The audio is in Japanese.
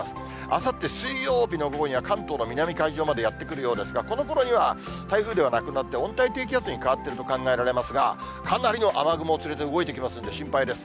あさって水曜日の午後には、関東の南海上までやって来るようですが、このころには台風ではなくなって、温帯低気圧に変わってると考えられますが、かなりの雨雲を連れて動いてきますんで、心配です。